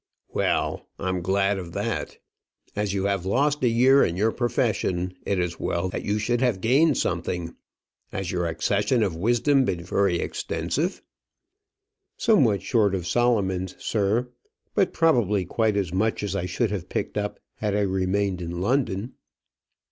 "Well, I'm glad of that. As you have lost a year in your profession, it is well that you should have gained something. Has your accession of wisdom been very extensive?" "Somewhat short of Solomon's, sir; but probably quite as much as I should have picked up had I remained in London."